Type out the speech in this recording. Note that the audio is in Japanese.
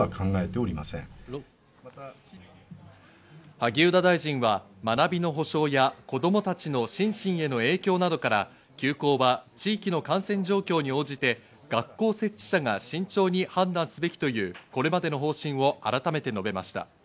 萩生田大臣は学びの保証や子供たちの心身への影響などから、休校は地域の感染状況に応じて、学校設置者が慎重に判断すべきという、これまでの方針を改めて述べました。